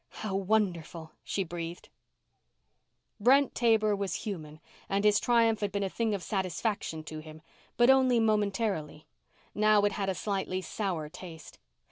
"How wonderful," she breathed. Brent Taber was human and his triumph had been a thing of satisfaction to him but only momentarily. Now it had a slightly sour taste.